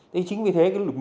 thế chính vì thế